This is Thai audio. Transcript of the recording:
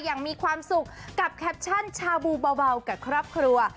อย่างมีความสุขกับแคปชั่นชาบูเบากับครอบครัว